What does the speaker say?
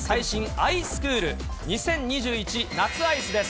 アイスクール・２０２１夏アイスです。